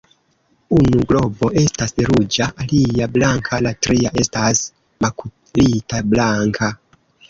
Unu globo estas ruĝa, alia blanka la tria estas makulita blanka.